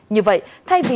như vậy thay vì